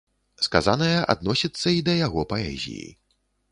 Сказанае адносіцца і да яго паэзіі.